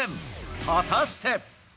果たして？